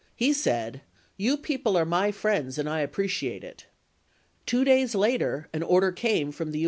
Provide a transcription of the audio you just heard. He said, "You people are my friends and I appreci ate it." Two days later an order came from the U.